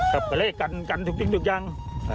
กลับกระเล่กกันทุกอย่าง